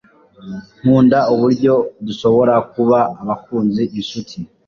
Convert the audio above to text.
Nkunda uburyo dushobora kuba abakunzi, inshuti,